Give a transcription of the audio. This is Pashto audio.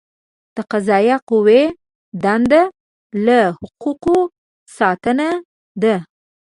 د قضائیه قوې دنده له حقوقو ساتنه ده.